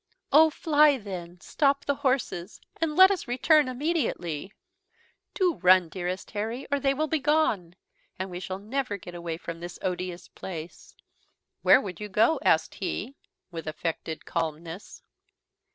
"Oh, fly then, stop the horses, and let us return immediately. Do run, dearest Harry, or they will be gone; and we shall never get away from this odious place." "Where would you go?" asked he, with affected calmness.